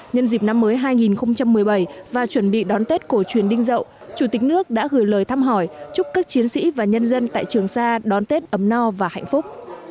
nhân dịp năm mới hai nghìn một mươi bảy và chuẩn bị đón tết cổ truyền đinh dậu chủ tịch nước đã gửi lời thăm hỏi chúc các chiến sĩ và nhân dân tại trường sa đón tết ấm no và hạnh phúc